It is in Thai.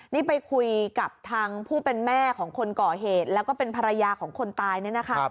นี่ไปคุยกับทางผู้เป็นแม่ของคนก่อเหตุแล้วก็เป็นภรรยาของคนตายเนี่ยนะคะ